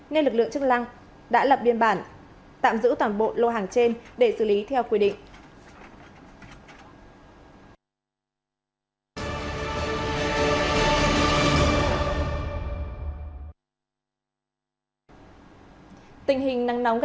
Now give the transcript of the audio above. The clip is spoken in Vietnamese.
nên lực lượng chức năng đã lập biên bản tạm giữ toàn bộ lô hàng trên